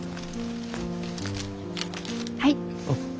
はい。